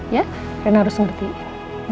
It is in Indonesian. ya rena harus ngertiin